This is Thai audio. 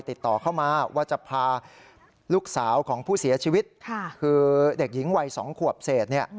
ติดต่อเข้ามาว่าจะพาลูกสาวของผู้เสียชีวิตคือเด็กหญิงวัย๒ขวบเศษเนี่ย